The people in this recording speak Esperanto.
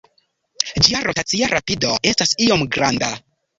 Ĝia rotacia rapido estas iom granda.